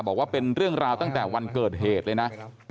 บอกว่าเป็นเรื่องราวตั้งแต่วันเกิดเหตุเลยนะ